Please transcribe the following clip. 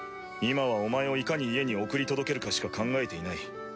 今はお前をいかに家に送り届けるかしか考えていない。